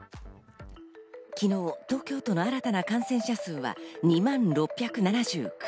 昨日、東京都の新たな感染者数は２万６７９人。